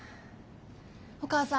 お母さん。